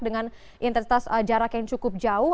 dengan intensitas jarak yang cukup jauh